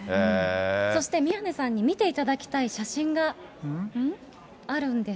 そして宮根さんに見ていただきたい写真があるんです。